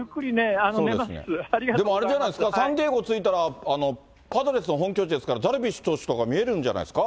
でもあれじゃないですか、サンディエゴ着いたらパドレスの本拠地ですから、ダルビッシュ投手とか見れるんじゃないですか、